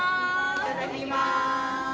いただきます！